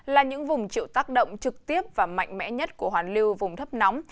là những vùng chịu tác động trực tiếp và mạnh mẽ nhất của hoàn lưu vùng thấp nóng